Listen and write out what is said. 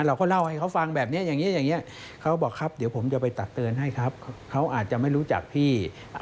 เราก็เล่าให้เขาฟังแบบนี้อย่างนี้เขาบอกครับเดี๋ยวผมจะไปตักเตือนให้ครับเขาอาจจะไม่รู้จักพี่